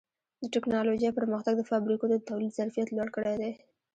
د ټکنالوجۍ پرمختګ د فابریکو د تولید ظرفیت لوړ کړی دی.